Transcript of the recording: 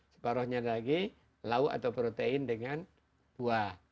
separuhnya lagi lauk atau protein dengan buah